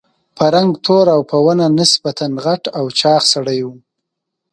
په رنګ تور او په ونه نسبتاً غټ او چاغ سړی و.